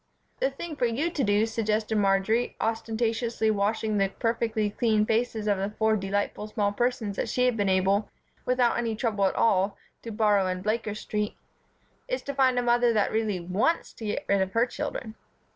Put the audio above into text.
"The thing for you to do," suggested Marjory, ostentatiously washing the perfectly clean faces of the four delightful small persons that she had been able, without any trouble at all, to borrow in Blaker Street, "is to find a mother that really wants to get rid of her children."